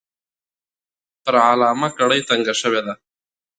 پر علامه کړۍ تنګه شوې ده.